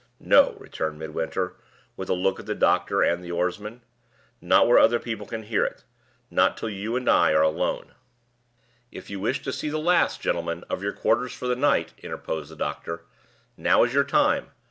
"No!" returned Midwinter, with a look at the doctor and his oarsmen. "Not where other people can hear it not till you and I are alone." "If you wish to see the last, gentlemen, of your quarters for the night," interposed the doctor, "now is your time!